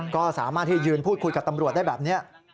ก็สามารถที่ยืนพูดคุยกับตำรวจได้แบบนี้